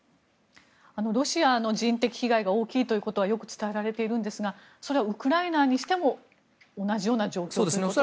ロシアの人的被害が大きいということはよく伝えられているんですがそれはウクライナにしても同じような状況と考えられるでしょうか。